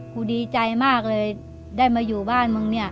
กูดีใจมากเลยได้มาอยู่บ้านมึงเนี่ย